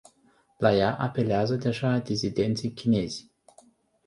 La ea apelează deja dizidenții chinezi.